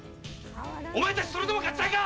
お前たちそれでも勝ちたいか！